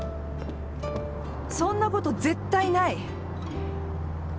そんなこと絶対ない！